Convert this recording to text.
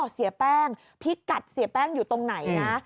เสียแป้งพิกัดเสียแป้งอยู่ตรงไหนนะ